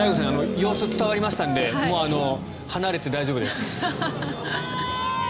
様子は伝わりましたのでもう離れて大丈夫です。